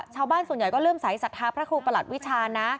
ชาวบ้านส่วนใหญ่ก็เริ่มใสสัทธาพระครูประหลัดวิชานะ